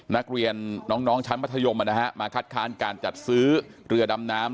นักเรียนน้องชั้นมัธยมมาคัดค้านการจัดซื้อเรือดำน้ำ